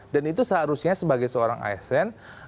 dan itu seharusnya sebagai seorang asn